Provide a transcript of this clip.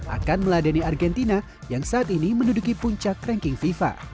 akan meladani argentina yang saat ini menduduki puncak ranking fifa